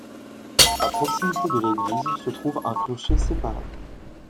À proximité de l'église, se trouve un clocher séparé.